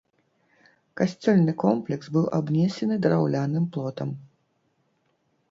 Касцёльны комплекс быў абнесены драўляным плотам.